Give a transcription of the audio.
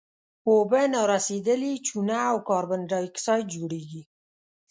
اوبه نارسیدلې چونه او کاربن ډای اکسایډ جوړیږي.